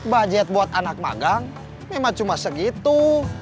budget buat anak magang memang cuma segitu